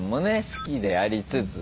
好きでありつつ。